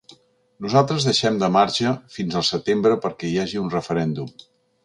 Nosaltres deixem de marge fins al setembre perquè hi hagi un referèndum.